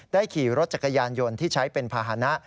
ขี่รถจักรยานยนต์ที่ใช้เป็นภาษณะ